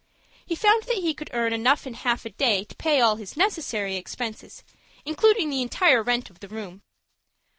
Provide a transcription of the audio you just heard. He found that he could earn enough in half a day to pay all his necessary expenses, including the entire rent of the room.